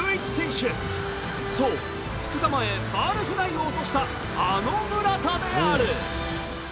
そう２日前ファールフライを落としたあの村田である。